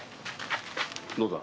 どうだ。